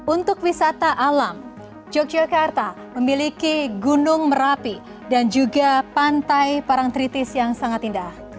untuk wisata alam yogyakarta memiliki gunung merapi dan juga pantai parang tritis yang sangat indah